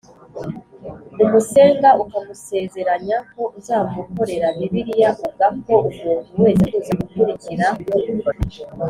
umusenga ukamusezeranya ko uzamukorera Bibiliya uga ko umuntu wese wifuza gukurikira